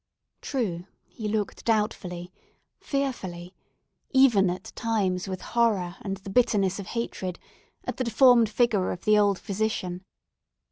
True, he looked doubtfully, fearfully—even, at times, with horror and the bitterness of hatred—at the deformed figure of the old physician.